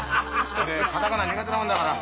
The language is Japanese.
俺カタカナ苦手なもんだから。